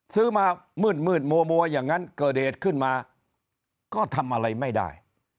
ซื้อมามืดมัวอย่างนั้นเกิดเหตุขึ้นมาก็ทำอะไรไม่ได้